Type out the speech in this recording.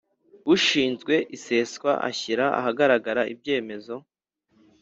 ushinzwe iseswa ashyira ahagaragara ibyemezo